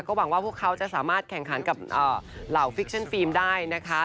หวังว่าพวกเขาจะสามารถแข่งขันกับเหล่าฟิกชั่นฟิล์มได้นะคะ